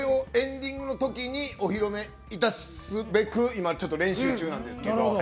エンディングのときにお披露目いたすべく今、練習中なんですけど。